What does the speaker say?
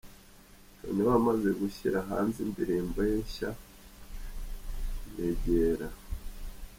Tonny wamaze gushyira hanze indirimbo ye nshya"Nyegera".